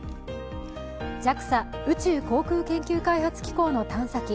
ＪＡＸＡ＝宇宙航空研究開発機構の探査機